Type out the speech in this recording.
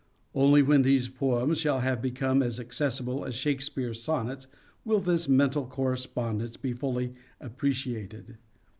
Only when these poems shall have become as accessible as Shakespeare's sonnets will this mental correspondence be fully appreciated.